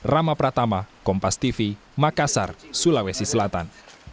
rama pratama kompas tv makassar sulawesi selatan